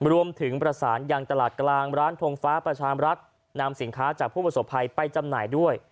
รวมถึงประสานยังตลาดกลางร้านทงฟ้าประชามรัฐนำสินค้าจากผู้ประสบภัยไปจำหน่ายด้วย